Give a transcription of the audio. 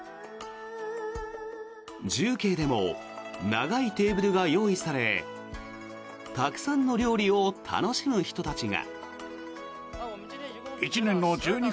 重慶でも長いテーブルが用意されたくさんの料理を楽しむ人たちが。